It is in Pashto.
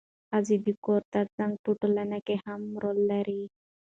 ښځې د کور ترڅنګ په ټولنه کې مهم رول لري